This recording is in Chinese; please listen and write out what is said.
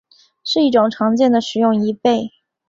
是一种常见的食用贻贝。